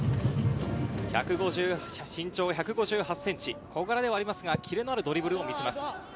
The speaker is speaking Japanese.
身長１５８ｃｍ、小柄ではありますが、キレのあるドリブルを見せます。